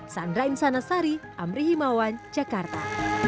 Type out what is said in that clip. sandra insanasari amri himawan jakarta